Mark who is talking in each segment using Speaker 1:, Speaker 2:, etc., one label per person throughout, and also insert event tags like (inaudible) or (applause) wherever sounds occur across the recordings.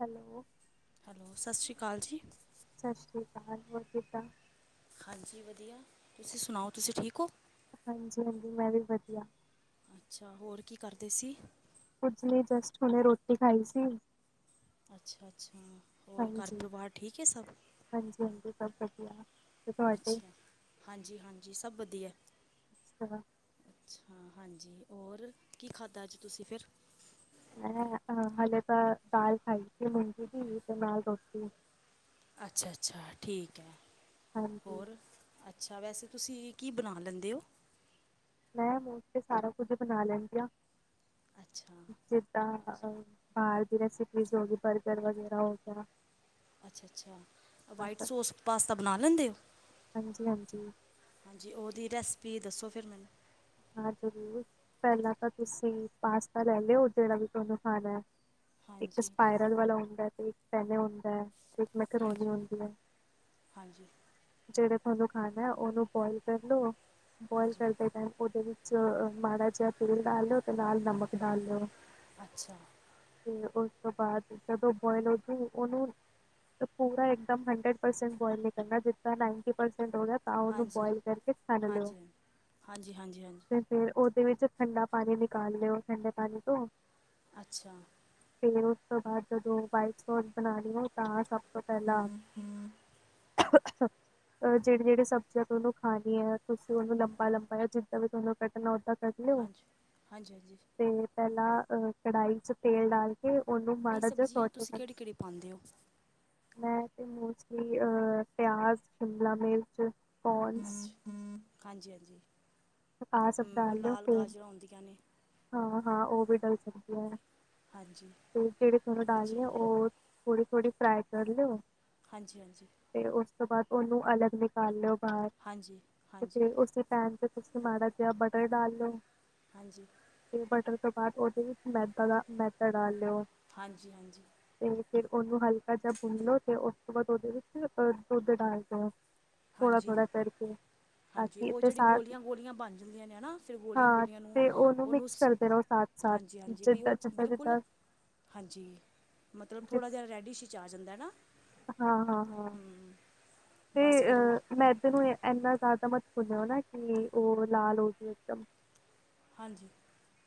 Speaker 1: Hello
Speaker 2: hello ਸਤਿ ਸ਼੍ਰੀ ਅਕਾਲ ਜੀ
Speaker 1: ਸਤਿ ਸ਼੍ਰੀ ਅਕਾਲ ਹੋਰ ਕਿਦਾਂ
Speaker 2: ਹਾਂਜੀ ਵਧੀਆ ਤੁਸੀਂ ਸੁਣਾਓ ਤੁਸੀਂ ਠੀਕ ਹੋ?
Speaker 1: ਹਾਂਜੀ-ਹਾਂਜੀ ਮੈਂ ਵੀ ਵਧੀਆ।
Speaker 2: ਅੱਛਾ ਹੋਰ ਕੀ ਕਰਦੇ ਸੀ
Speaker 1: ਕੁਝ ਲਈ ਜਸਟ ਉਹਨੇ ਰੋਟੀ ਖਾਈ ਸੀ
Speaker 2: ਅੱਛਾ-ਅੱਛਾ ਹੋਰ ਘਰ
Speaker 1: ਹਾਂਜੀ,
Speaker 2: ਪਰਿਵਾਰ ਠੀਕ ਹੈ ਸਭ
Speaker 1: ਹਾਂਜੀ-ਹਾਂਜੀ ਸ
Speaker 2: ਅੱਛਾ ਹਾਂਜੀ-ਹਾਂਜੀ ਸਭ ਵਧੀਆ
Speaker 1: ਅੱਛਾ,
Speaker 2: ਅੱਛਾ ਹਾਂਜੀ ਹੋਰ ਕੀ ਖਾਧਾ ਅੱਜ ਤੁਸੀਂ ਫਿਰ?
Speaker 1: ਮੈਂ ਹਲੇੇ ਤਾਂ ਦਾਲ ਖਾਈ ਸੀ ਮੁਗੀ ਦੀ ਤੇ ਨਾਲ ਰੋਟੀ
Speaker 2: ਅੱਛਾ-ਅੱਛਾ ਠੀਕ ਹੈ
Speaker 1: ਹਾਂਜੀ,
Speaker 2: ਹੋਰ? ਅੱਛਾ ਵੈਸੇ ਤੁਸੀਂ ਕੀ ਬਣਾ ਲੈਂਦੇ ਹੋ
Speaker 1: ਮੈਂ ਤੇ ਸਾਰਾ ਕੁੱਝ ਬਣਾ ਲੈਂਣਦੀ ਆ
Speaker 2: ਅੱਛਾ।
Speaker 1: ਜਿੱਦਾਂ ਬਾਹਰ ਦੀ ਰੈਸਿਪੀਜ਼ ਹੋ ਗੀ ਬਰਗਰ ਵਗੈਰਾ ਹੋ ਗਿਆ।
Speaker 2: ਅੱਛਾ-ਅੱਛਾ
Speaker 1: ਆ
Speaker 2: ਵਾਈਟ
Speaker 1: ਸਭ
Speaker 2: ਸੋਸ ਪਾਸਤਾ ਬਣਾ ਲੈਂਦੇ ਉਹ
Speaker 1: ਹਾਂਜੀ-ਹਾਂਜੀ
Speaker 2: ਹਾਂਜੀ ਉਹਦੀ ਰੈਸਪੀ ਦੱਸੋ ਫਿਰ ਮੈਨੂੰ
Speaker 1: ਹਾਂ ਜ਼ਰੂਰ ਪਹਿਲਾਂ ਤਾਂ ਤੁਸੀਂ ਪਾਸਤਾ ਲੈ ਲਿਓ ਜਿਹੜਾ ਵੀ ਤੁਹਾਨੂੰ ਖਾਣਾ ਹੈ। ਇੱਕ
Speaker 2: ਹਾਂਜੀ
Speaker 1: ਸਪਾਇਰਲ ਵਾਲਾ ਹੁੰਦਾ ਹੈ ਤੇ ਇੱਕ ਪੈਨੇ ਹੁੰਦਾ ਹੈ ਇੱਕ ਮੈਕਰੋਨੀ
Speaker 2: ਹਾਂਜੀ
Speaker 1: ਆਉਦੀ ਹੈ।
Speaker 2: ਹਾਂਜੀ
Speaker 1: ਜਿਹੜਾ ਤੁਹਾਨੂੰ ਖਾਣਾ ਹੈ ਉਹਨੂੰ ਬੁਇਲ ਕਰ ਲਓ ਬੁਇਲ
Speaker 2: ਹਾਂਜੀ
Speaker 1: ਕਰਦੇ ਟਮ ਉਹਦੇ ਵਿੱਚ ਮਾੜਾ ਜਿਹਾ ਤੇਲ ਡਾਲ ਲਿਓ ਅਤੇ ਨਾਲ ਨਮਕ ਡਾਲ ਲਿਓ
Speaker 2: ਅੱਛਾ।
Speaker 1: ਤੇ ਉਸ ਤੋਂ ਬਾਅਦ ਜਦੋਂ ਬੋਇਲ ਹੋਜੇ ਉਹਨੂੰ ਪੂਰਾ ਇੱਕਦਮ ਹੰਡਰੇਡ ਪਰਸੈਂਟ ਬੋਇਲ ਨ ਕਰਨਾ ਜਿੱਣਾ ਨਾਈਨਟੀ ਪਰਸੈਂਟ ਹੋ ਗਿਆ ਤਾਂ ਉਹਨੂੰ ਬੁਆਇਲ ਕਰਕੇ ਛਣ ਲਿਓ
Speaker 2: ਹਾਂਜੀ-ਹਾਂਜੀ-ਹਾਂਜੀ
Speaker 1: ਤੇ ਫੇਰ ਉਹਦੇ ਵਿੱਚ ਠੰਡਾ ਪਾਣੀ ਨਿਕਾਲ ਲਓ ਠੰਡੇ ਪਾਣੀ ਤੋਂ
Speaker 2: ਅੱਛਾ।
Speaker 1: ਤੇ ਉਸ ਤੋਂ ਬਾਅਦ ਜਦੋਂ ਵਾਈਟ ਸੋਸ ਬਣਾ ਲਈ ਹੈ ਤਾਂ ਸਭ ਤੋਂ ਪਹਿਲਾਂ (unintelligible) ਅ ਜਿਹੜੀ ਜਿਹੜੀ ਸਬਜ਼ੀਆਂ ਤੁ ਉਹਨੂੰ ਖਾਣੀ ਆ ਤੁਸੀਂ ਉਹਨੂੰ ਲੰਬਾ ਲੰਬਾ ਜਾਂ ਜ ਵੀ ਤੁਹਾਨੂੰ ਕੱਟ ਓਦਾਂ (unintelligible)
Speaker 2: ਹਾਂਜੀ-ਹਾਂਜੀ-ਹਾਂਜੀ
Speaker 1: ਤੇ ਪਹਿਲਾਂ ਕੜਾਹੀ ਚ ਤੇਲ ਡਾਲ ਤੇ ਉਹਨੂੰ
Speaker 2: ਨਹੀਂ
Speaker 1: ਮਾੜਾ ਜਿ ਸੌ
Speaker 2: ਸਬਜ਼ੀਆਂ ਤੁਸੀਂ ਕਿਹੜੀ ਕਿਹੜੀ ਪਾਉਂਦੇ ਹੋ
Speaker 1: ਮੈਂ ਤੇ ਮੋਸਟਲੀ ਅਹ ਪਿਆਜ ਸ਼ਿਮਲਾ ਮਿਰਚ ਕੋਨਸ
Speaker 2: ਹਾਂਜੀ-ਹਾਂਜੀ
Speaker 1: ਕਾਾਸ ਅਬਦਾਾਲ ਫਨ (unintelligible)
Speaker 2: ਹੁੰਦੀਆਂ ਨੇ
Speaker 1: ਹਾਂ-ਹਾਂ ਉਹ ਵੀ ਡਲ ਸਕਦੀ ਹੈ
Speaker 2: ਹਾਂਜੀ
Speaker 1: ਤੇ ਜਿਹੜੇ ਤੁਹਾਨੂੰ
Speaker 2: ਅੱਛਾ
Speaker 1: ਡਾਲਦੇ ਆ ਉਹ ਥੋੜ੍ਹੀ-ਥੋੜ੍ਹੀ ਫਰਾਾਈ ਕਰ ਲਿਓ
Speaker 2: ਹਾਂਜੀ-ਹਾਂਜੀ।
Speaker 1: ਤੇ ਉਸ ਤੋਂ ਬਾਅਦ ਉਹਨੂੰ ਅਲੱਗ ਨਿਕਾਲ ਲੋ ਬਾਰ,
Speaker 2: ਹਾਂਜੀ ਹਾਂਜੀ
Speaker 1: ਤੇ
Speaker 2: ਹਾਂਜੀ
Speaker 1: ਫਿਰ ਉਸੀ ਪੈਣ ਤੁਸੀਂ ਮਾਰਾ ਜੇਆ ਬਟਰ ਡਾਲ ਲੋੋ।
Speaker 2: ਹਾਂਜੀ।
Speaker 1: ਤੇ ਬਟਰ ਤੋਂ ਬਾਅਦ, ਉਹਦੇ ਵਿੱਚ ਮੈਦਾ ਦਾ, ਮੈਦਾ ਡਾਲ ਲਓ।
Speaker 2: ਹਾਂਜੀ-ਹਾਂਜੀ।
Speaker 1: ਤੇ ਫਿਰ ਉਹਨੂੰ ਹਲਕਾ ਜਿਹਾ ਭੁੰਨ ਲੋ ਤੇ, ਉਸ ਤੋਂ ਬਾਅਦ ਉਹਦੇ ਵਿੱਚ ਅਹ ਦੁੱਧ ਡਾਲ ਦਿਓ। ਥੋੜਾ ਥੋੜਾ ਕਰਕੇ ਤਾਂ
Speaker 2: ਹਾਂਜੀ-ਹਾਂਜੀ।
Speaker 1: ਕਿ
Speaker 2: ਉਹ
Speaker 1: ਤੇ
Speaker 2: ਜਿਹੜੀ
Speaker 1: ਸਾ
Speaker 2: ਗੋਲੀਆਂ-ਗੋਲੀਆਂ ਬਣ ਜਾਂਦੀਆਂ ਨੇ ਹੈ ਨਾ। ਫਿਰ
Speaker 1: ਹਾਂ
Speaker 2: ਗੋਲੀਆਂ-ਗੋਲੀਆਂ ਨੂੰ,
Speaker 1: ਤੇ ਉਹਨੂੰ
Speaker 2: ਉਅਨੂੰ
Speaker 1: ਮਿਕਸ
Speaker 2: ਸ
Speaker 1: ਕਰਦੇ ਰਹੋ ਸਾਥ ਸਾਥ
Speaker 2: ਹਾਂਜੀ-ਹਾਂਜੀ, ਬਈ
Speaker 1: ਜਿੱਦਾਂ
Speaker 2: ਉਹ
Speaker 1: ਜਿੱਦਾਂ
Speaker 2: ਬਿਲਕੁਲ
Speaker 1: ਜਿੱਦਾਂ
Speaker 2: ਹਾਂਜੀ, ਮਤਲਬ
Speaker 1: ਜਿ
Speaker 2: ਥੋੜ੍ਹਾ ਜੇਆ ਰੈਡੀਸ਼ ਚ ਆ ਜਾਂਦਾ ਨਾ,
Speaker 1: ਹਾਂ
Speaker 2: ਹੂੰ ਬੱਸ।
Speaker 1: ਅਹ, ਮੈਦੇ ਨੂੰ ਏਨਾਂ ਜ਼ਆਦਾ ਮਤ ਭੁੰਨਿਔ ਨਾ, ਕਿ ਉਹ ਲਾਲ ਹੋ ਜਵੇ ਇੱਕਦਮ।
Speaker 2: ਹਾਂਜੀ।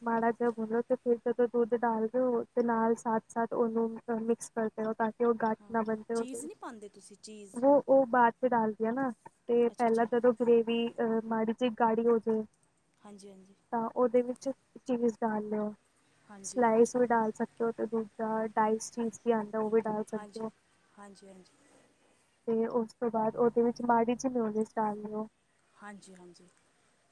Speaker 1: ਮਾੜਾ ਜੇਆ ਪੂਣੀਔ, ਤੇ ਫਿਰ ਜਦੋਂ ਦੁੱਧ ਡਾਲ ਦੇ ਔ, ਤੇ ਨਾਲ ਸਾਥ-ਸਾਥ ਉਅਨੂੰ ਅ ਮਿਕਸ ਕਰਦੇ ਰੋ, ਤਾਂਕਿ ਔਹ ਗਾਠ
Speaker 2: ਹਾਂ
Speaker 1: ਨਾ ਬਣਜੇ ਔਦੇ
Speaker 2: ਚੀਜ਼
Speaker 1: ਵਿੱਚ,
Speaker 2: ਨਹੀਂ ਪਾਉਂਦੇ ਤੁਸੀਂ ਚੀਜ਼
Speaker 1: ਵੋ ਔਹ ਬਾਅਦ ਚ ਡਾਲਦੀ ਆ ਨਾ। ਤੇ
Speaker 2: ਅੱਛਾ
Speaker 1: ਪੈਲਾਂ
Speaker 2: ਅੱਛਾ
Speaker 1: ਜਦੋਂ ਗਰੇਵੀ, ਅਹ ਮਾੜੀ ਜੀ ਗਾੜੀ ਹੋ ਜੇ
Speaker 2: ਹਾਂਜੀ-ਹਾਂਜੀ।
Speaker 1: ਤਾਂ ਉਅਦੇ ਵਿੱਚ ਚੀਜ਼ ਡਾਲ ਲਓ,
Speaker 2: ਹਾਂਜੀ
Speaker 1: ਸਲਾਈਸ ਔ ਵੀ ਡਾਲ ਸਕਦੇ ਹੋ, ਤੇ ਦੂਜਾ ਡਾਇਸਡ ਚੀਜ਼ ਵੀ ਆਂਦਾ, ਉਹ ਵੀ ਡਾਲ ਸਕਦੇ ਔ।
Speaker 2: ਹਾਂਜੀ-ਹਾਂਜੀ।
Speaker 1: ਤੇ ਔਸ ਤੋਂ ਬਾਅਦ ਉਅਦੇ ਵਿੱਚ, ਮਾੜੀ ਜੀ ਮੀਓਨਿਸ ਡਾਲ ਲਓ।
Speaker 2: ਹਾਂਜੀ-ਹਾਂਜੀ।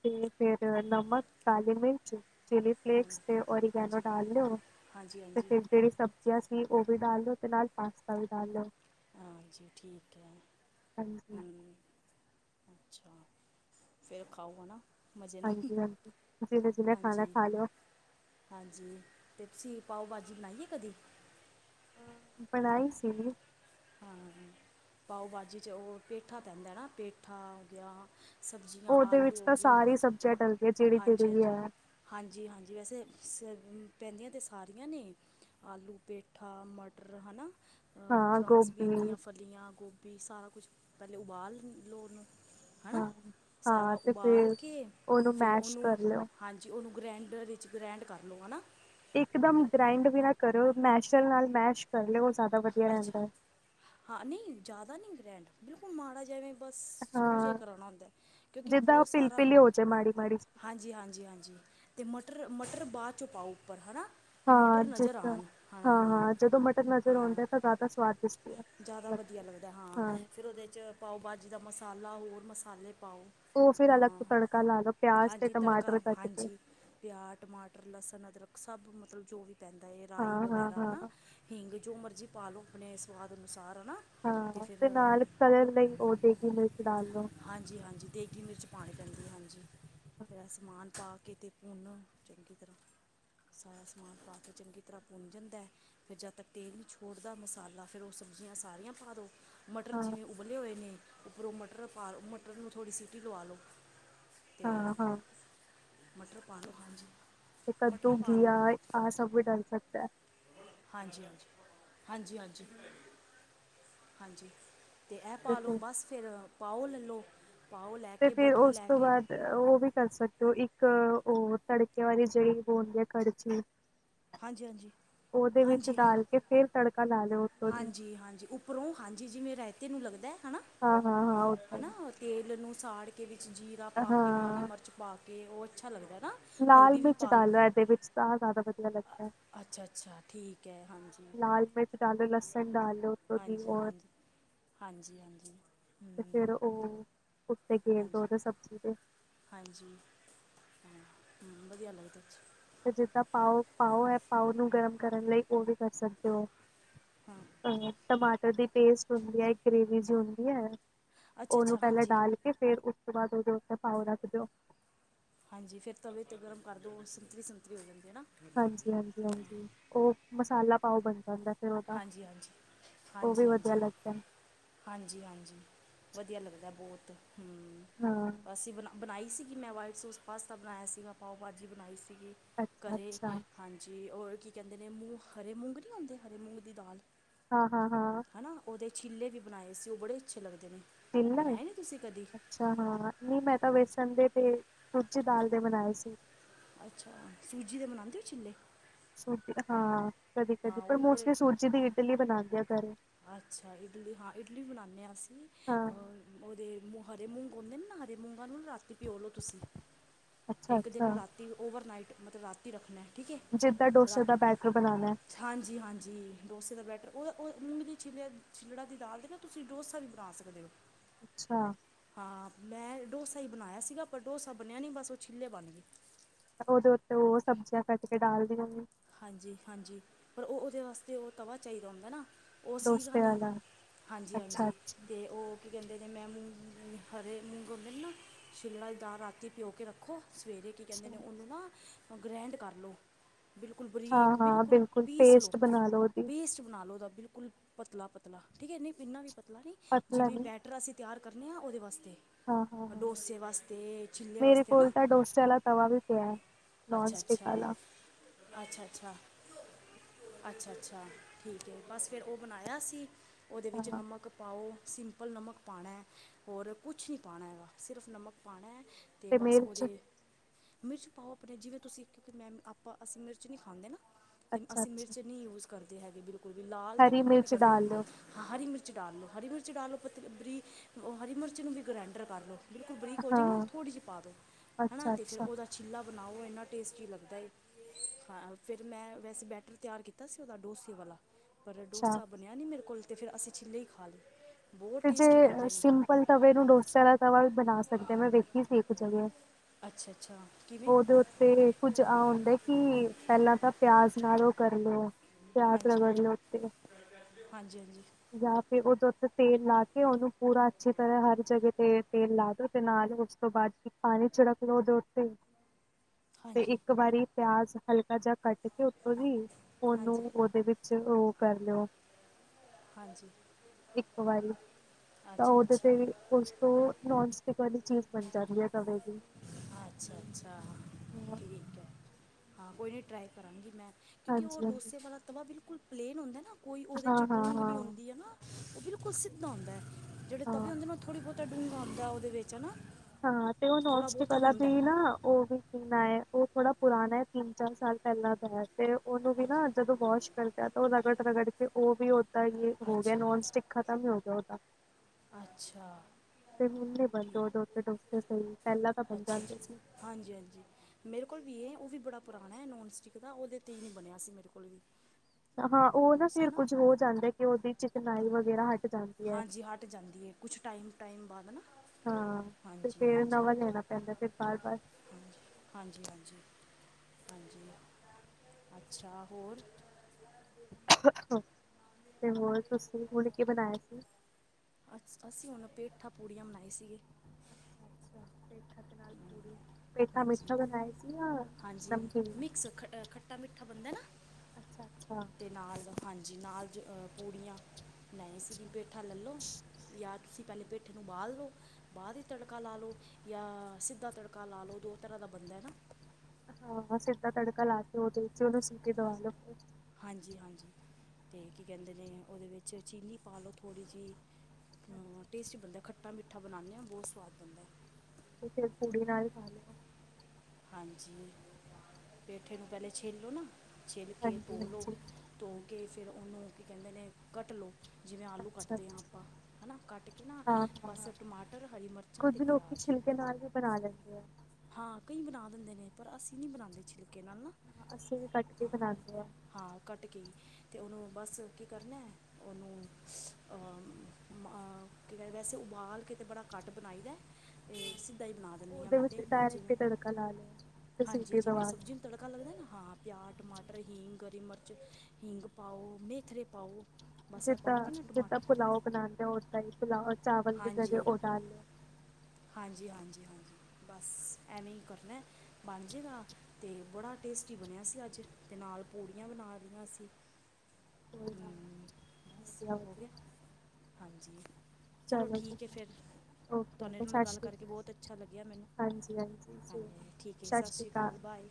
Speaker 1: ਤੇ ਫਿਰ ਨਮਕ, ਕਾਲੀ ਮਿਰਚ ਚਿਲੀ
Speaker 2: ਹਾਂ,
Speaker 1: ਫਲੇਕਸ ਤੇ ਓਰੀਗੈਨੋ
Speaker 2: ਹਾਂਜੀ
Speaker 1: ਡਾਲ ਲਓ,
Speaker 2: ਹਾਂਜੀ
Speaker 1: ਤੇ
Speaker 2: ਹਾਂਜੀ
Speaker 1: ਫਿਰ ਜੇਹੜੀ ਸਬ ਜਿਆਂ ਸੀ, ਔਹ ਵੀ ਡਾਲ ਲਓ ਤੇ ਨਾਲ ਪਾਸਤਾ ਵੀ ਡਾਲ ਲਓ।
Speaker 2: ਹਾਂਜੀ, ਠੀਕ ਏ।
Speaker 1: ਹਾਂਜੀ।
Speaker 2: ਅੱਛਾ, ਫਿਰ ਖਾਔ ਹਨਾ।
Speaker 1: ਹਾਂਜੀ-ਹਾਂਜੀ, ਜਿੰਨੇ-ਜਿੰਨੇ ਖਾਣਾ
Speaker 2: ਹਾਂਜੀ
Speaker 1: ਏ ਖਾ ਲਓ।
Speaker 2: ਹਾਂਜੀ, ਤੇ ਤੁਸੀਂ ਪਾਓ ਭਾਜੀ ਬਣਾਈ ਏ ਕਦੀ?
Speaker 1: ਬਣਾਈ ਸੀ।
Speaker 2: ਹਾਂ, ਪਾਓ ਭਾਜੀ ਇੱਚ ਔਹ ਪੇਠਾ ਪੈਂਦਾ ਨਾ, ਪੇਠਾ ਹੋ ਗਿਆ ਸਬਜ਼ੀਆਂ
Speaker 1: ਉਹਦੇ ਵਿੱਚ
Speaker 2: ਆਲੂ ਔ
Speaker 1: ਤਾਂ
Speaker 2: ਗਈ,
Speaker 1: ਸਾਰੀ ਸਬਜ਼ੀਆਂ ਡਲਦੀਆਂ ਜਿਹੜੀ ਜਿਹੜੀ ਵੀ
Speaker 2: ਹਾਂਜੀ-ਹਾਂਜੀ।
Speaker 1: ਹੈ
Speaker 2: ਹਾਂਜੀ-ਹਾਂਜੀ, ਵੈਸੇ ਸ ਪੈਂਦੀਆਂ ਤੇ ਸਾਰੀਆਂ ਨੇ। ਆਲੂ, ਪੇਠਾ, ਮਟਰ ਹਣਾ?
Speaker 1: ਹਾਂ
Speaker 2: ਫਰਾਂਸ
Speaker 1: ਗੋਭੀ
Speaker 2: ਬੀਨ ਦੀਆਂ ਫਲੀਆਂ, ਗੋਭੀ, ਸਾਰਾ ਕੁਛ, ਪੈਲੇ ਉਬਾਲ ਲੋ ਔਨੂੰ। ਹਨਾ?
Speaker 1: ਹਾਂ ਹਾਂ
Speaker 2: ਸਾਰਾ
Speaker 1: ਅਤੇ
Speaker 2: ਉਬਾਲ
Speaker 1: ਫਿਰ
Speaker 2: ਕੇ,
Speaker 1: ਉਹਨੂੰ
Speaker 2: ਫਿਰ
Speaker 1: ਮੈਸ਼
Speaker 2: ਉਅਨੂੰ
Speaker 1: ਕਰ ਲਿਓ।
Speaker 2: ਹਾਂਜੀ, ਉਅਨੂੰ ਗ੍ਰੈਂਡਰ ਇੱਚ ਗ੍ਰੈਂਡ ਕਰ ਲਉ, ਹੈਨਾ?
Speaker 1: ਇੱਕਦਮ ਗ੍ਰਾਇੰਡ ਵੀ ਨਾ ਕਰੋ, ਮੈਸ਼ਲ ਨਾਲ ਮੈਸ਼ ਕਰ ਲਓ, ਔ ਜ਼ਾ
Speaker 2: ਅੱਛਾ ਹਾਂ, ਨਈ ਜਾਅਦਾ ਨਈ ਗ੍ਰੈਂਡ, ਬਿਲਕੁਲ ਮਾੜਾ ਜੇਵੇਂ ਬਸ ਸੂ ਜੇਆ ਈ
Speaker 1: ਹਾਂ
Speaker 2: ਕਰਾਣਾ ਹੁੰਦਾ ਏ, ਕਿਉਂਕਿ
Speaker 1: ਜਿੱਦਾਂ
Speaker 2: ਬੌਤ ਸਾਰਾ
Speaker 1: ਪਿਲ-ਪਿਲੀ ਹੋ ਜਾਏ ਮਾੜੀ-ਮਾੜੀ
Speaker 2: ਹਾਂਜੀ-ਹਾਂਜੀ-ਹਾਂਜੀ ਤੇ ਮਟਰ-ਮਟਰ ਬਾਅਦ ਚੋਂ ਪਾਓ ਉੱਪਰ, ਹਨਾਂ? ਕਿ
Speaker 1: ਹਾਂ
Speaker 2: ਮਟਰ ਨਜ਼ਰ
Speaker 1: ਜਿੱਦਾਂ
Speaker 2: ਆਣ, ਹਾਂ-ਹਾਂ।
Speaker 1: ਜਦੋਂ ਮਟਨ ਨਜ਼
Speaker 2: ਹਾਂ, ਜਾਅਦਾ ਵਦੀਆ ਲੱਗਦਾ, ਹਾਂ। ਫਿਰ ਉਅਦੇ ਚ ਪਾਓ ਭਾਜੀ ਦਾ ਮਸਾਲਾ, ਹੋਰ ਮਸਾਲੇ ਪਾਓ।
Speaker 1: ਉਹ ਫਿਰ ਅਲੱਗ
Speaker 2: ਹਾਂ,
Speaker 1: ਤੋਂ ਤੜਕਾ ਲਾ ਲਓ ਪਿਆਜ ਤੇ
Speaker 2: ਹਾਂਜੀ
Speaker 1: ਟਮਾਟਰ
Speaker 2: ਤੜਕਾ,
Speaker 1: ਕੱਟ ਕੇ
Speaker 2: ਹਾਂਜੀ। ਪਿਆ, ਟਮਾਟਰ, ਲਸਣ, ਅਦਰਕ ਸਭ ਮਤਲਬ ਜੋ ਵੀ ਪੈਂਦਾ ਏ, ਰਾਈ ਵਗੈਰਾ
Speaker 1: ਹਾਂ-ਹਾਂ-ਹਾਂ।
Speaker 2: ਹੈਨਾ?
Speaker 1: ਹਾਂ
Speaker 2: ਹਿੰਗ। ਜੋ ਮਰਜੀ ਪਾ ਲੋ, ਅਪਣੇ ਸਵਾਦ ਅਨੁਸਾਰ ਹਨਾ?
Speaker 1: ਹਾਂ ਤੇ ਨਾਲ ਕਲਰ ਲਈ, ਔ ਦੇਗੀ ਮਿਰਚ ਡਾਲ ਲੋ।
Speaker 2: ਹਾਂਜੀ-ਹਾਂਜੀ ਦੇਗੀ ਮਿਰਚ ਪਾਣੀ ਪੈਂਦੀ ਏ, ਹਾਂਜੀ। ਫਿਰ ਏਹ ਸਮਾਨ ਪਾ ਕੇ, ਤੇ ਭੁੰਨ ਚੰਗੀ ਤਰ੍ਹਾਂ। ਸਾਰਾ ਸਮਾਨ ਪਾ ਕੇ ਚੰਗੀ ਤਰ੍ਹਾਂ ਭੁੰਨ ਜਾਂਦਾ ਹੈ। ਫੇਰ ਜਦ ਤੱਕ ਤੇਲ ਛੋੜਦਾ ਮਸਾਲਾ ਫਿਰ ਉਹ ਸਬਜ਼ੀਆਂ ਸਾਰੀਆਂ ਪਾ ਦਿਉ ਮਟਰ ਜਿਵੇਂ ਉੱਬਲੇ ਹੋਏ ਨੇ, ਉਪਰੋਂ ਮਟਰ ਪਾ ਮਟਰ ਨੂੰ ਥੋੜੀ ਸੀਟੀ ਲਵਾ ਲਓ। ਤੇ
Speaker 1: ਹਾਂ-ਹਾਂ-ਹਾਂ।
Speaker 2: ਮਟਰ ਪਾਲੋ ਹਾਂਜੀ
Speaker 1: ਤੇ
Speaker 2: ਮਟਰ
Speaker 1: ਕੱਦੂ
Speaker 2: ਪਾ
Speaker 1: ਘੀਆ
Speaker 2: ਲਓ
Speaker 1: ਆਹ ਸਭ ਵੀ ਡਲ ਸਕਦਾ ਹੈ
Speaker 2: ਹਾਂਜੀ- ਹਾਂਜੀ, ਹਾਂਜੀ- ਹਾਂਜੀ, ਹਾਂਜੀ ਤੇ ਇਹ ਪਾ ਲਓ ਬਸ ਫਿਰ ਪਾਓ ਲੈ ਲਓ, ਪਾਓ ਲੈ
Speaker 1: ਤੇ
Speaker 2: ਕੇ,
Speaker 1: ਫਿਰ
Speaker 2: ਬਟਰ
Speaker 1: ਉਸ
Speaker 2: ਲੈ
Speaker 1: ਤੋਂ
Speaker 2: ਕੇ
Speaker 1: ਬਾਅਦ ਉਹ ਵੀ ਕਰ ਸਕਦੇ ਹੋ ਇੱਕ ਉਹ ਤੜਕੇ ਵਾਲੀ ਜਿਹੜੀ ਬ ਹੁੰਦੀ ਹੈ ਕੜਛੀ
Speaker 2: ਹਾਂਜੀ ਹਾਂਜੀ
Speaker 1: ਉਹਦੇ ਵਿੱਚ
Speaker 2: ਹਾਂਜੀ ਹਾਂਜੀ
Speaker 1: ਡਾਲ ਕੇ ਫਿਰ ਤੜਕਾ ਲਾ ਲਿਓ ਉੱਤੋਂ ਦੀ
Speaker 2: ਹਾਂਜੀ -ਹਾਂਜੀ ਉੱਪਰੋਂ ਹਾਂਜੀ ਜਿਵੇੇਂ ਰਾਇਤੇ ਨੂੰ ਲੱਗਦਾ ਹਨਾ
Speaker 1: ਹਾਂ ਹਾਂ ਹਾਂ ਓਦਾਂ
Speaker 2: ਹਨਾ
Speaker 1: ਹੀ
Speaker 2: ਤੇਲ ਨੂੰ ਸਾੜ ਕੇ ਵਿੱਚ ਜੀਰਾ ਪਾ ਕੇ, ਕਾਲੀ
Speaker 1: ਹਾਂ
Speaker 2: ਮਿਰਚ ਪਾ ਕੇ ਉਹ ਅੱਛਾ ਲੱਗਦਾ ਨਾ
Speaker 1: ਲਾਲ
Speaker 2: ਹਲਦੀ ਵੀ
Speaker 1: ਮਿਰਚ
Speaker 2: ਪਾ ਲਓ
Speaker 1: ਡਾਲੋ ਇਹਦੇ ਵਿੱਚ ਤਾਂ ਜ਼ਿਆਦਾ ਵਧੀਆ ਲੱਗਦਾ ਹੈ
Speaker 2: ਅੱਛਾ, ਅੱਛਾ ਠੀਕ ਹੈ ਹਾਂਜੀ
Speaker 1: ਨਾਲੇ ਲਸਣ ਡਾਲ ਲਓ ਦੀ
Speaker 2: ਹਾਂਜੀ
Speaker 1: ਰ
Speaker 2: ਹਾਂਜੀ ਹਾਂਜੀ ਹਾਂਜੀ
Speaker 1: ਤੇ
Speaker 2: ਹਮ,
Speaker 1: ਫਿਰ ਉਹ (unintelligible) ਉਤੇ ਗੇਰਦੋ
Speaker 2: ਹਾਂਜੀ
Speaker 1: ਉਹਦੇ ਸਬਜ਼ੀ ਤੇ (unintelligible)
Speaker 2: ਹਾਂਜੀ, ਹਾਂ ਵਧੀਆ ਲੱਗਦਾ ਜੀ
Speaker 1: ਤੇ ਜਿੱਦਾਂ ਪਾਓ, ਪਾਓ ਹੈ ਪਾਓ ਨੂੰ ਗਰਮ ਕਰਨ ਲਈ ਉਹ ਵੀ ਕਰ ਸਕਦੇ ਹੋ।
Speaker 2: ਹਾਂ
Speaker 1: ਟਮਾਟਰ ਦੀ ਪੇਸਟ ਹੁੰਦੀ ਹੈ ਇੱਕ ਗ੍ਰੇਵੀ ਜਿਹੀ ਹੁੰਦੀ ਹੈ
Speaker 2: ਅੱਛਾ
Speaker 1: ਉਹਨੂੰ
Speaker 2: ਅੱਛਾ
Speaker 1: ਪਹਿਲਾਂ
Speaker 2: ਹਾਂਜੀ
Speaker 1: ਡਾਲ ਤੇ ਫਿਰ ਉਸ ਤੋਂ ਬਾਅਦ ਉਹਦੇ ਉਪਰ ਪਾਓ ਰੱਖ ਦਿਉ
Speaker 2: ਹਾਂਜੀ ਫਿਰ ਤਵੇ 'ਤੇ ਗਰਮ ਕਰ ਦਿਉ ਸੰਤਰੀ, ਸੰਤਰੀ ਹੋ ਜਾਂਦੀ ਹੈ ਨਾ
Speaker 1: ਹਾਂਜੀ- ਹਾਂਜੀ -ਹਾਂਜੀ ਉਹ ਮਸਾਲਾ ਪਾਓ ਬਣ ਜਾਂਦਾ ਫਿਰ ਉਹਦਾ
Speaker 2: ਹਾਂਜੀ- ਹਾਂਜੀ,
Speaker 1: ਉਹ
Speaker 2: ਹਾਂਜੀ
Speaker 1: ਵੀ
Speaker 2: -ਹਾਂਜੀ
Speaker 1: ਵਧੀਆ ਲੱਗਦਾ ਹੈ।
Speaker 2: ਹਾਂਜੀ- ਹਾਂਜੀ ਵਧੀਆ ਲੱਗਦਾ ਬਹੁਤ, ਹਮ
Speaker 1: ਹਾਂ
Speaker 2: ਅਸੀਂ ਬਣਾ ਬਣਾਈ ਸੀ ਕਿ ਮੈਂ ਵਾਈਟ ਸੋਸ ਪਾਸਤਾ ਬਣਾਇਆ ਸੀਗਾ, ਪਾਓ ਭਾਜੀ ਬਣਾਈ ਸੀਗੀ
Speaker 1: ਅੱਛਾ
Speaker 2: ਘਰੇ
Speaker 1: ਅੱਛਾ
Speaker 2: ਹਾਂਜੀ, ਹੋਰ ਕੀ ਕਹਿੰਦੇ ਨੇ ਮੂੰਗ ਹਰੇ ਮੂੰਹ ਹੁੰਦੇ ਹਰੇ ਮੂੰਗ ਦੀ ਦਾਲ
Speaker 1: ਹਾਂ -ਹਾਂ -ਹਾਂ
Speaker 2: ਹਨਾ ਉਹਦੇ ਚੀਲੇ ਵੀ ਬਣਾਏ ਸੀ ਉਹ ਬੜੇ ਅੱਛੇ ਲੱਗਦੇ ਨੇ
Speaker 1: ਪ ਨੇ (unintelligible)
Speaker 2: ਬਣਾਏ ਤੁਸੀਂ ਕਦੀ
Speaker 1: (unintelligible) ਅੱਛਾ ਹਾਂ ਨਹੀਂ ਮੈਂ ਤਾਂ ਵੇਸਣ ਦੇ ਤੇ ਸੂਜੀ, ਦਾਲ ਦੇ ਬਣਾਏ ਸੀ
Speaker 2: ਅੱਛਾ ਸੂਜੀ ਦੇ ਬਣਾਉਂਦੇ ਹੋ ਚਿੱਲੇੇ
Speaker 1: ਸੂਜੀ ਹਾਂ ਕਦੀ ਕਦੀ
Speaker 2: ਉਹ
Speaker 1: ਪਰ
Speaker 2: ਵੀ ਬੜੇ
Speaker 1: ਮੋਸਟਲੀ ਸੂਜੀ ਦੀ ਇਡਲੀ ਬਣਾਉਂਦੇ ਆ ਘਰੇ
Speaker 2: ਅੱਛਾ ਇਡਲੀ ਹਾਂ ਇਡਲੀ ਬਣਾਉਦੇ ਹਾਂ ਅਸੀਂ
Speaker 1: ਹਾਂ
Speaker 2: ਉਹਦੇ ਹਰੇ ਮੂੰਗ ਹੁੰਦੇ ਨੇ ਨਾ ਹਰੇ ਮੂੰਗਾਂ ਨੂੰ ਰਾਤੀ ਭਿਉ ਲਓ ਤੁਸੀਂ
Speaker 1: ਅੱਛਾ
Speaker 2: ਇੱਕ ਦਿਨ
Speaker 1: ਅੱਛਾ
Speaker 2: ਰਾਤੀ ਓਵਰਨਾਈਟ ਮੱਤਲਬ ਰਾਤੀ ਰੱਖਣਾ ਠੀਕ ਹੈ
Speaker 1: ਜਿੱਦਾਂ ਡੋਸੇ ਦਾ ਬੈਟਰ ਬਣਾਉਣਾ ਹੈ।
Speaker 2: ਰਾਤੀ ਹਾਂਜੀ- ਹਾਂਜੀ ਡੋਸੇ ਦਾ ਬੈਟਰ ਉਹਦਾ ਉਹ ਮੂੰਗ ਦੀ ਛਿਲਆ ਛਿਲੜਾ ਦੀ ਦਾਲ ਦੇ ਨਾ ਤੁਸੀਂ ਡੋਸਾ ਵੀ ਬਣਾ ਸਕਦੇ ਹੋ
Speaker 1: ਅੱਛਾ
Speaker 2: ਹਾਂ ਮੈਂ ਡੋਸਾ ਹੀ ਬਣਾਇਆ ਸੀਗਾ ਪਰ ਡੋਸਾ ਬਣਿਆ ਨਹੀਂ ਬੱਸ ਉਹ ਛਿੱਲੇ ਬਣ ਗਏ
Speaker 1: ਉਹਦੇ ਉੱਤੇ ਉਹ ਸਬਜ਼ੀਆਂ ਕੱਟ ਕੇ ਡਾਲਤੀਆਂ ਨੇ
Speaker 2: ਹਾਂਜੀ- ਹਾਂਜੀ ਪਰ ਉਹ ਉਹਦੇ ਵਾਸਤੇ ਉਹ ਤਵਾ ਚਾਹੀਦਾ ਹੁੰਦਾ ਨਾ ਉਹ ਸੀਗਾ
Speaker 1: ਡੋਸੇ
Speaker 2: ਨਹੀਂ,
Speaker 1: ਵਾਲਾ
Speaker 2: ਹਾਂਜੀ-
Speaker 1: ਅੱਛਾ
Speaker 2: ਹਾਂਜੀ
Speaker 1: ਅੱਛਾ
Speaker 2: ਤੇ ਉਹ ਕੀ ਕਹਿੰਦੇ ਨੇ ਮੈਂ ਮੂੰ ਹਰੇ ਮੂੰਗ ਹੁੰਦੇ ਨੇ ਨਾ ਛਿਲੜਾ ਦੀ ਦਾਲ ਰਾਤੀ ਭਿਓ ਕੇ ਰੱਖੋ ਸਵੇਰੇ ਕੀ ਕਹਿੰਦੇ ਨੇ
Speaker 1: ਅੱਛਾ
Speaker 2: ਉਹਨੂੰ ਨਾ ਗ੍ਰੈਂਡ ਕਰ ਲਉ ਬਿਲਕੁੱਲ ਬਰੀਕ
Speaker 1: ਹਾਂ-ਹਾਂ
Speaker 2: ਬਿਲਕੁੱਲ
Speaker 1: ਬਿਲਕੁਲ
Speaker 2: ਪੀਸ ਲਓ
Speaker 1: ਪੇਸਟ ਬਣਾ ਲੋ ਉਹਦੀ
Speaker 2: ਪੇਸਟ ਬਣਾ ਲਓ ਉਹਦਾ ਬਿਲਕੁੱਲ ਪਤਲਾ-ਪਤਲਾ ਠੀਕ ਹੈ ਨਹੀਂ ਇੰਨਾ ਵੀ ਪਤਲਾ ਨਹੀਂ
Speaker 1: ਪਤਲਾ
Speaker 2: ਜਿਵੇਂ
Speaker 1: ਨੀ
Speaker 2: ਬੈਟਰ ਅਸੀਂ ਤਿਆਰ ਕਰਨੇ ਹਾਂ ਉਹਦੇ ਵਾਸਤੇ
Speaker 1: ਹਾਂ-ਹਾਂ-ਹਾਂ
Speaker 2: ਡੋਸੇ ਵਾਸਤੇ, ਚਿੱਲੇ
Speaker 1: ਮੇਰੇ
Speaker 2: ਵਾਸਤੇ ਹਨਾ
Speaker 1: ਕੋਲ ਤਾਂ ਡੋਸੇ ਵਾਲਾ ਤਵਾ ਵੀ ਅ (unintelligible)
Speaker 2: ਅੱਛਾ ਅੱਛਾ ਅੱਛਾ ਅੱਛਾ ਅੱਛਾ ਅੱਛਾ ਠੀਕ ਹੈ ਬਸ ਫਿਰ ਉਹ ਬਣਾਇਆ ਸੀਂ ਉਹਦੇ ਵਿੱਚ
Speaker 1: ਹਾਂ
Speaker 2: ਨਮਕ ਪਾਓ ਸਿੰਪਲ ਨਮਕ ਪਾਉਣਾ ਹੋਰ ਕੁੱਛ ਨਹੀਂ ਪਾਉਣਾ ਹੈਗਾ ਸਿਰਫ਼ ਨਮਕ ਪਾਉਣਾ ਤੇ ਬਸ ਓਦੇ ਮਿਰਚ ਪਾਓ ਆਪਨੇ ਜਿਵੇਂ ਤੁਸੀਂਂ ਇਕ ਮੈਮ ਆਪਾਂ ਅਸੀਂ ਮਿਰਚ ਨੀ ਖਾਂਦੇ ਨਾ, ਤੇ ਅਸੀਂ
Speaker 1: ਅੱਛਾ-ਅੱਛਾ
Speaker 2: ਮਿਰਚ ਨੀ ਯੂਜ਼ ਕਰਦੇ ਹੈਗੇ ਬਿਲਕੁਲ ਵੀ, ਲਾਲ ਤੇ
Speaker 1: ਹਰੀ
Speaker 2: ਬਿਲਕੁਲ ਨੀ
Speaker 1: ਮਿਰਚ
Speaker 2: ਕਰਦੇ।
Speaker 1: ਡਾਲ ਲੋ
Speaker 2: ਹਾਂ, ਹਰੀ ਮਿਰਚ ਡਾਲ ਲੋ, ਹਰੀ ਮਿਰਚ ਡਾਲ ਲੋ ਪਤਲੀ ਬਰੀਕ ਹਰੀ ਮਿਰਚ ਨੂੰ ਵੀ ਗਰੈਂਡਰ ਕਰ ਲੋ ਬਿਲਕੁਲ ਬਰੀਕ ਹੋ ਜੇਂਗੀ ਨਾ,
Speaker 1: ਹਾਂ
Speaker 2: ਥੋੜੀ ਜੀ ਪਾਦੋ ਹਣਾ ਤੇ ਫੇਰ
Speaker 1: ਅੱਛਾ-ਅੱਛਾ-ਅੱਛਾ
Speaker 2: ਓਦਾ ਛਿਲਾ ਬਨਾਓ ਐਨਾਂ ਟੇਸਟੀ ਲੱਗਦਾ ਏ। ਹਾਂ ਫੇਰ ਮੈਂ, ਵੈਸੇ ਬੈਟਰ ਤੇਆਰ ਕੀਤਾ ਸੀ ਓਦਾ ਡੋਸੇ ਵਾਲਾ ਪਰ ਡੋਸਾ ਬਨੇਆ ਨਈ ਮੇਰ ਕੋਲ, ਤੇ ਫਿਰ ਅਸੀਂ ਛਿਲੇ ਈ ਲਏ। ਬਹੁਤ
Speaker 1: ਤੇ ਜੇ,
Speaker 2: ਟੇਸਟੀ
Speaker 1: ਅ
Speaker 2: ਬਣਦੇ ਨੇ
Speaker 1: ਸਿੰਪਲ ਤਵੇ ਨੂੰ ਡੋਸੇ ਆਲਾ਼ ਤਵਾ ਵੀ ਬਨਾ ਸਕਦੇ, ਮੈਂ ਵੇਖੀ ਸੀ ਇੱਕ ਜਗੇ।
Speaker 2: ਅੱਛਾ, ਅੱਛਾ ਕੀ
Speaker 1: ਓਦੇ ਉੱਤੇ ਕੁੱਝ ਆ ਹੁੰਦੈ ਕਿ, ਪੈਲਾਂ ਤਾਂ ਪਿਆਜ ਨਾਲੋ਼ ਕਰ ਲੋ, ਪੇਆਜ਼
Speaker 2: ਹਾਂਜੀ
Speaker 1: ਰਗੜ ਲੋ ਉਤੇ,
Speaker 2: ਹਾਂਜੀ ਹਾਂਜੀ
Speaker 1: ਯਾ ਫਿਰ ਓਦੇ ਉੱਤੇ ਤੇਲ ਲਾ ਕੇ ਓਨੂੰ ਪੂਰਾ ਅੱਛੀ ਤਰ੍ਹਾਂ ਹਰ ਜਗੇ ਤੇ, ਤੇਲ ਲਾ ਦੋ ਤੇ ਨਾਲ ਓਸ ਤੋਂ ਬਾਦ ਪਾਣੀ ਛੀੜਕ ਦੋ ਓਦੇ ਉਤੇ।
Speaker 2: (inaudible)
Speaker 1: ਤੇ ਇੱਕ ਵਾਰੀ ਪੀਆਜ ਹਲਕਾ ਜੇਆ ਕੱਟ ਕੇ ਉੱਤੋ ਦੀ, ਓਨੂੰ
Speaker 2: ਹਾਂਜੀ
Speaker 1: ਓਦੇ ਵਿੱਚ ਚਲੋ ਓ ਕਰ ਲੇਓ।
Speaker 2: ਹਾਂਜੀ।
Speaker 1: ਇੱਕ ਵਾਰੀ ਤਾਂ
Speaker 2: ਅੱਛਾ
Speaker 1: ਓਦੇ
Speaker 2: ਅੱਛਾ
Speaker 1: ਤੇ ਵੀ ਓਸ ਤੋਂ, ਨੋਨ ਸਿਟਕ ਵਾਲੀ ਚੀਜ ਬਨ ਜਾਂਦੀ ਆ ਤਵੇ ਤੇ ਵੀ
Speaker 2: ਆਛਾ, ਅੱਛਾ ਠੀਕ ਹੈ ਹਾਂ ਕੋਈ ਨਈ ਟ੍ਰਾਇ ਕਰਾਂਗੀ ਮੈਂ, ਕਿਊਕਿ ਓ
Speaker 1: ਹਾਂਜੀ ਹਾਂਜੀ
Speaker 2: ਡੋਸੇ ਵਾਲਾ ਤਵਾ ਬਿਲਕੁਲ ਪਲੇਨ ਹੁੰਦੈ ਨਾ, ਕੋਈ ਓਦੇ ਚ
Speaker 1: ਹਾਂ ਹਾਂ
Speaker 2: ਡੂੰਘ ਨੀ
Speaker 1: ਹਾਂ
Speaker 2: ਹੋਂਦੀ ਐ ਨਾ, ਓ ਬਿਲਕੁਲ ਸਿੱਦਾ ਹੁੰਦੈ ਜੇੜੇ ਤਵੇ
Speaker 1: ਹਾਂ
Speaker 2: ਹੁੰਦੇ ਨਾ ਓ ਥੋੜੇ ਬੋਤ ਡੂੰਘਾ ਹੂੰਦਾ ਓਦੇ ਵਿੱਚ ਹਨਾ
Speaker 1: ਹਾਂ, ਤੇ ਓ ਨੋਸਟਿਕ ਵਾਲਾ ਵੀ ਨਾ ਓ ਵੀ ਨਈ ਓ ਥੋੜਾ ਪੁਰਾਨਾ ਏ ਤਿੰਨ, ਚਾਰ ਸਾਲ ਪੈਲਾਂ ਦਾ ਐ, ਤੇ ਓਨੂੰ ਵੀ ਨਾ
Speaker 2: ਹਾਂਜੀ
Speaker 1: ਜਦੋਂ ਵੋਸ਼ ਕਰ ਓ ਰਗਟ ਰਗੜ ਕੇ ਓ ਵੀ ਓਦਾ ਈ ਏ,
Speaker 2: ਅੱਛਾ
Speaker 1: ਨੋਨ ਸੀਟਕ ਖਤਮ ਈ ਹੋ ਗਏ ਓਦਾਂ।
Speaker 2: ਆੱਛਾ।
Speaker 1: ਤੇ ਹੁਨ ਨੀ ਬਨਦੇ ਓ ਡੋਸੇ ਡੁਸੇ ਸਈ ਪੈਲਾਂ ਤਾਂ ਬਨ
Speaker 2: ਅੱਛਾ
Speaker 1: ਜਾਂਦੇ
Speaker 2: ਜੀ
Speaker 1: ਸੀ।
Speaker 2: ਹਾਂਜੀ, ਹਾਂਜੀ। ਮੇਰੇ ਕੋਲ ਵੀ ਏ, ਓ ਵੀ ਬੜਾ ਪਰਾਨਾ ਏ ਨੋਨ ਸਟਿਕ ਦਾ ਓ ਤੇ ਹੀ ਬਨੇਆ ਸੀ ਮੇਰੇ ਕੋਲ ਵੀ।
Speaker 1: ਹਾਂ, ਓ ਨਾ ਫਿਰ ਕੁੱਝ ਹੋ ਜਾਂਦੈ ਕਿ ਓਦੇ ਚ ਚਿਕਨਾਈ
Speaker 2: ਹਾਂ
Speaker 1: ਵਗੈਰਾ ਹਟ ਜਾਂਦੀ। ਹੈ
Speaker 2: ਹਾਂਜੀ ਹਟ ਜਾਂਦੀ ਐ, ਕੁਛ ਟਾਈਮ, ਟਾਈਮ ਬਾਦ ਨਾ
Speaker 1: ਹਾਂ ਤੇ
Speaker 2: ਹਾਂਜੀ
Speaker 1: ਫੇਰ
Speaker 2: ਹਾਂਜੀ
Speaker 1: ਨਵਾਂ ਲੈਣਾ ਪੈਂਦੈ ਤੇ ਫੇਰ ਬਾਰ, ਬਾਰ
Speaker 2: ਹਾਂਜੀ, ਹਾਂਜੀ, ਹਾਂਜੀ, ਹਾਂਜੀ ਅੱਛਾ ਹੋਰ
Speaker 1: ਤੇ ਹੋਰ ਤੁਸੀਂ ਹੁਣ ਕੀ ਬਣਾਏਆ ਸੀ?
Speaker 2: ਅ ਅਸੀਂ ਹੋਣ ਪੇਠਾਂ ਪੂੜੀਆਂ ਬਨਾਈ ਸੀਗੀ।
Speaker 1: ਅੱਛਾ ਅੱਛਾ ਪੇਠਾ ਦੇ ਨਾਲ
Speaker 2: ਹੂੰ
Speaker 1: ਪੂਰੀ ਪੇਠਾ
Speaker 2: ਹਾਂਜੀ,
Speaker 1: ਮਿੱਠਾ ਬਣਾਇਆ ਸੀ ਜਾਂ
Speaker 2: ਹਾਂਜੀ
Speaker 1: ਨਮਕੀਨ
Speaker 2: ਮਿਕਸ ਖ ਖਟ ਤਾ ਮਿੱਠਾ ਬਨਦੈ ਨਾ
Speaker 1: ਅੱਛਾ, ਅੱਛਾ।
Speaker 2: ਅਤੇ ਨਾਲ ਹਾਂਜੀ, ਨਾਲ ਜ ਪੂੜੀਆਂ ਬਨਾਈ ਸੀਗੀ
Speaker 1: ਅੱਛਾ।
Speaker 2: ਪੇਠਾ ਲੈ ਲੌ ਯਾ ਤੁਸੀਂ ਪੈਲੇ ਪੇਠੇ ਨੂੰ ਓਬਾਲ਼ ਲੋ, ਬਾਦ ਚ ਤੜਕਾ ਲਾ ਲੋ ਯਾ ਸਿੱਧਾ ਤੜਕਾ ਲਾ ਲੋ ਦੋ ਤਰਾਂ ਦਾ ਬਨਦੈ ਨਾ।
Speaker 1: ਹਾਂ ਸਿੱਦਾ ਤੜਕਾ ਲਾ ਕੇ ਓਦੇ ਚ, ਓਨੂੰ ਸੀਟੀ ਦਵਾ ਲੋ।
Speaker 2: ਹਾਂਜੀ, ਹਾਂਜੀ ਤੇ ਕੀ ਕੈਂਦੇ ਨੇ ਓਦੇ ਵਿੱਚ ਚੀਨੀ ਪਾ ਲੋ ਥੋੜੀ ਜੀ ਹੂੰ,
Speaker 1: ਅੱਛਾ,
Speaker 2: ਟੇਸਟੀ ਬਨਦੈ ਖੱਟਾ ਮਿੱਠਾ ਬਨਾਂਨੇ ਆ ਬੋਤ ਸਵਾਦ ਬਨਦੈ।
Speaker 1: (unintelligible) (unintelligible)
Speaker 2: ਹਾਂਜੀ, ਪੇਠੇ ਨੂੰ ਪਹਿਲੇ ਛਿੱਲ ਲੋ ਨਾ, ਛਿੱਲ ਕੇ
Speaker 1: ਹਾਂਜੀ,
Speaker 2: ਧੋ ਲੋ
Speaker 1: ਹਾਂਜੀ।
Speaker 2: ਧੋ ਕੇ ਫਿਰ ਓਹਨੂੰ ਕੀ ਕਹਿੰਦੇ ਨੇ, ਕੱਟ ਲੋ ਜਿਵੇਂ ਆਲੂ
Speaker 1: ਅੱਛਾ,
Speaker 2: ਕੱਟਦੇ ਆਂ
Speaker 1: ਅੱਛਾ।
Speaker 2: ਆਪਾਂ ਹਨਾ ਕੱਟ ਕੇ ਨਾ,
Speaker 1: ਹਾਂ, ਹਾਂ,
Speaker 2: ਬਸ
Speaker 1: ਹਾਂ।
Speaker 2: ਟਮਾਟਰ ਹਰੀ ਮਰਚਾਂ ਤੇ
Speaker 1: ਕੁਝ
Speaker 2: ਪਿਆਜ਼-
Speaker 1: ਛਿਲਕੇ ਨਾਲ ਵੀ ਬਣਾ ਲੈਦੇ
Speaker 2: ਹਾਂ ਕਈ ਬਨਾ ਦਿੰਦੇ ਨੇ ਪਰ ਅਸੀਂ ਨਹੀਂ ਬਣਾਉਂਦੇ ਛਿਲਕੇ ਨਾਲ ਨਾ
Speaker 1: ਅਸਿਵੀ ਕਟ ਕੇ
Speaker 2: ਹਾਂ
Speaker 1: ਬਨਾ ਨੇ ਆ
Speaker 2: ਹਾਂ ਕੱਟ ਕੇ ਤੇ ਉਹਨੂੰ ਬਸ ਕੀ ਕਰਨਾ ਉਹਨੂੰ ਉਬਾਲ ਕੇ ਬੜਾ ਘੱਟ ਬਣਾਈਦਾ ਸਿਧਾ ਹੀ ਬਣਾ ਦਿੰਦੀ ਆ
Speaker 1: ਉਹਦੇ
Speaker 2: ਮੈਂ
Speaker 1: ਵਿੱਚ
Speaker 2: ਤੇ ਜਿਵੇ-
Speaker 1: ਡਾਇਰੈਕਟ ਹੀ ਤੜਕਾ ਲਾ ਲਿਆ ਤੇ ਸੀਟੀ ਦਵਾ ਲਈ।
Speaker 2: ਤੜਕਾ ਲੱਗਦਾ ਹਾਂ ਪਿਆਜ, ਟਮਾਟਰ ਹਿੰਗ, ਹਰੀ ਮਿਰਚ ਹਿੰਗ ਪਾਓ ਬਸ ਇਹ ਪਾ ਕੇ ਨਾ
Speaker 1: ਜਿਦਾ-ਜਿਦਾ
Speaker 2: ਟਮਾਟਰ
Speaker 1: ਪੁਲਾਅ ਬਣਾਉਦੇ ੳਦਾ ਹੀ ਚਾਵਲ ਦੀ ਜਗਾ
Speaker 2: ਹਾਂਜੀ
Speaker 1: ਉਹ ਦਾਲ
Speaker 2: ਹਾਂਜੀ -ਹਾਂਜੀ ਬਸ ਐਵੇਂ ਹੀ ਕਰਨਾ ਬਣ ਜਾਏਗਾ ਤੇ ਬੜਾ ਟੇਸਟੀ ਬਣਿਆ ਸੀ ਅੱਜ ਤੇ ਨਾਲ ਪੂੜੀਆਂ ਬਣਾ ਰਹੀਆਂ ਸੀ
Speaker 1: ਕੋਈ ਨਾ
Speaker 2: ਹੂੰ
Speaker 1: ਵਧੀਆ,
Speaker 2: ਹੋ ਗਿਆ
Speaker 1: ਵਧੀਆ।
Speaker 2: ਹਾਂਜੀ ਚਲੋ ਠੀਕ ਹੈ ਫਿਰ
Speaker 1: ਓਕੇ,
Speaker 2: ਤੁਹਾਨੂੰ
Speaker 1: ਓਕੇ।
Speaker 2: ਇਹਦੇ ਨਾਲ
Speaker 1: ਸਤਿ
Speaker 2: ਗੱਲ
Speaker 1: ਸ਼੍ਰੀ
Speaker 2: ਕਰਕੇ ਬਹੁਤ ਅੱਛਾ ਲੱਗਿਆ ਮੈਨੂੰ
Speaker 1: ਅਕਾਲ। ਹਾਂਜੀ- ਹਾਂਜੀ। ਸੇਮ।
Speaker 2: ਹਾਂਜੀ -ਹਾਂਜੀ ਠੀਕ ਸਤਿ ਸ਼੍ਰੀ ਅਕਾਲ ਬਾਏ